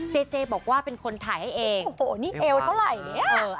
เจเจบอกว่าเป็นคนถ่ายให้เองโอ้โหนี่เอวเท่าไหร่เนี่ย